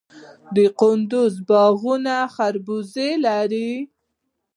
د کندز باغونه خربوزې لري.